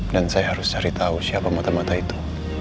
dan saya harus cari tahu siapa mata mata itu